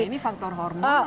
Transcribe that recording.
kenapa ini faktor hormonal atau